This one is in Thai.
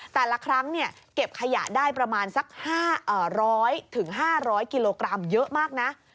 แต่ละครั้งเก็บขยะได้ประมาณสัก๕๐๐๕๐๐กิโลกรัมเยอะมากนะ